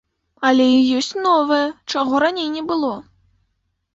Але і ёсць новае, чаго раней не было.